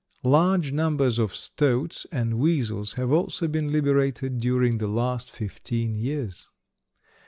Large numbers of stoats and weasels have also been liberated during the last fifteen years.